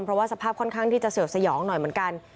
เพราะว่าสภาพค่อนข้างที่จะเสื่อมสยองหน่อยเหมือนกัน